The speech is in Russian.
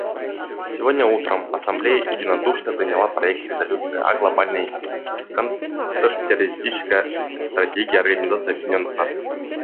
Сегодня утром Ассамблея единодушно приняла проект резолюции о Глобальной контртеррористической стратегии Организации Объединенных Наций.